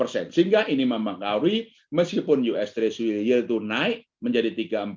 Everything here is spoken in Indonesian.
sehingga ini mempengaruhi meskipun us treasury itu naik menjadi tiga empat